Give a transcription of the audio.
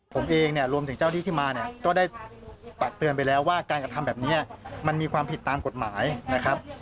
ผมเองเนี่ยรวมถึงเจ้าที่ที่มาเนี่ยก็ได้ปากเตือนไปแล้วว่าการกระทำแบบนี้มันมีความผิดตามกฎหมายนะครับ